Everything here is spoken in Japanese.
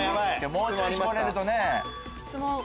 もうちょい絞れるとね。